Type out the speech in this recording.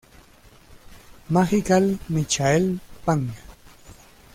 Magical Michael: Pang